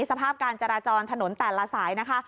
สภาพการจราจรถนนแต่ละสายนะคะ